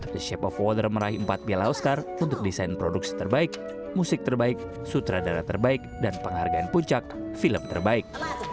the shape of water meraih empat piala oscar untuk desain produksi terbaik musik terbaik sutradara terbaik dan penghargaan puncak film terbaik